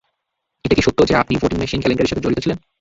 এটা কি সত্য যে আপনি ভোটিং মেশিন কেলাঙ্কারির সাথে জড়িত ছিলেন?